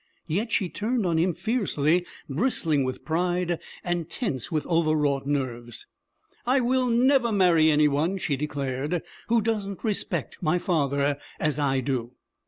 Yet she turned on him fiercely, bristling with pride and tense with over wrought nerves. 'I will never marry any one,' she declared, 'who doesn't respect my father as I do!'